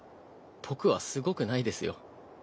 僕はすごくないですよ。